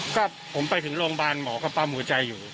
ก็ผมไปถึงโรงพยาบาลหมอก็ปั๊มหัวใจอยู่